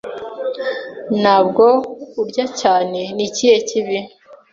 Ntabwo urya cyane. Ni ikihe kibi?